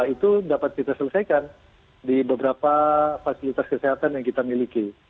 itu dapat kita selesaikan di beberapa fasilitas kesehatan yang kita miliki